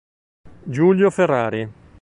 Giulio Ferrari